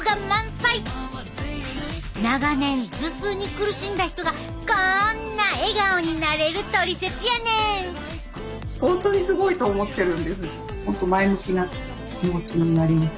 長年頭痛に苦しんだ人がこんな笑顔になれるトリセツやねん。